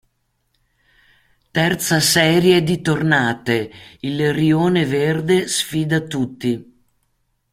Terza serie di tornate: il Rione Verde sfida tutti.